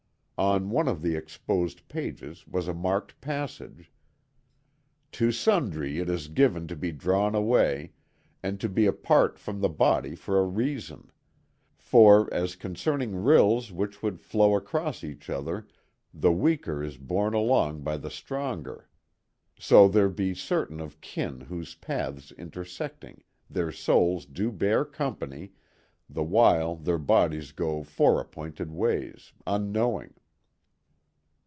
On one of the exposed pages was a marked passage: "To sundry it is given to be drawn away, and to be apart from the body for a season; for, as concerning rills which would flow across each other the weaker is borne along by the stronger, so there be certain of kin whose paths intersecting, their souls do bear company, the while their bodies go fore appointed ways, unknowing."